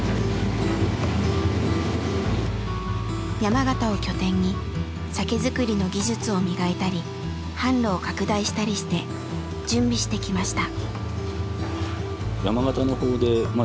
山形を拠点に酒造りの技術を磨いたり販路を拡大したりして準備してきました。